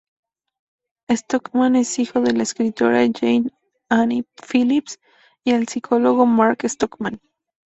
Stockman es hijo de la escritora Jayne Anne Phillips y del psicólogo Mark Stockman.